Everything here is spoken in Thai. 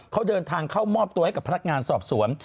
เขาเดินทางเข้ามอบตัวให้กับพนักงานสอบสวน